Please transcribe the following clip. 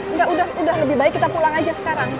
enggak udah lebih baik kita pulang aja sekarang